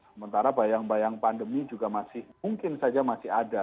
sementara bayang bayang pandemi juga masih mungkin saja masih ada